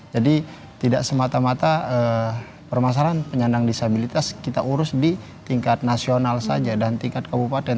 jadi tidak semata mata permasalahan penyandang disabilitas kita urus di tingkat nasional saja dan tingkat kabupaten